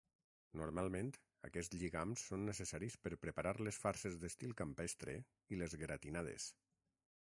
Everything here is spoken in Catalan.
Normalment, aquests lligams són necessaris per preparar les farses d'estil campestre i les "gratinades"